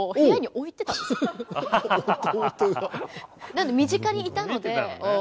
なので身近にいたのではい。